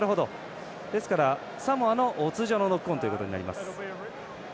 ですから、サモアの通常のノックオンということになります。